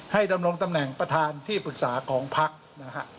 ให้ดำลงตำแหน่งประธานที่ปรึกษากองพักษณ์